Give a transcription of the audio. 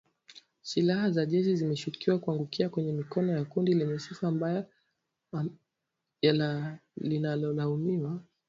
Silaha za jeshi zinashukiwa kuangukia kwenye mikono ya kundi lenye sifa mbaya la linalolaumiwa